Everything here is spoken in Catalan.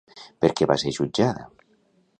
Per què va ser jutjada?